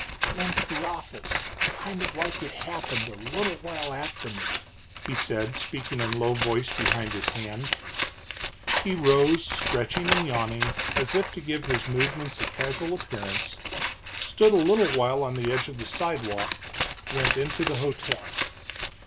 "Come into the office, kind of like it happened, a little while after me," he said, speaking in low voice behind his hand. He rose, stretching and yawning as if to give his movements a casual appearance, stood a little while on the edge of the sidewalk, went into the hotel.